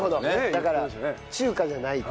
だから中華じゃないと。